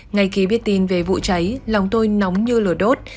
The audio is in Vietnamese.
ngày ký biết tin về vụ cháy lòng tôi nóng như lửa đốt